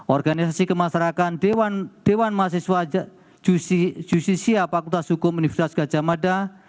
organisasi kemasyarakan dewan mahasiswa jusisia fakultas hukum universitas gajah mada